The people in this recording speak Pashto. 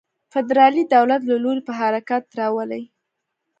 فدرالي دولت له لوري په حرکت راولي.